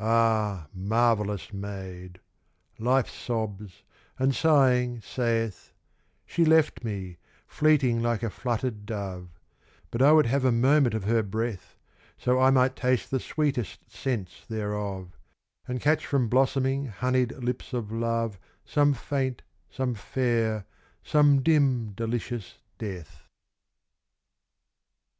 Ah! marvellous maid. Life sobs, and sighing saith, "She left me, fleeting like a fluttered dove; But I would have a moment of her breath, So I might taste the sweetest sense thereof, And catch from blossoming, honeyed lips of love Some faint, some fair, some dim, delicious death."